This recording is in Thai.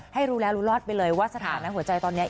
ให้รู้แล้วรู้รอดไปเลยว่าสถานะหัวใจตอนนี้